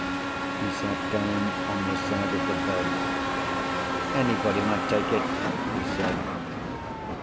He sat down on the side of the bed. "Anybody might take it," he said.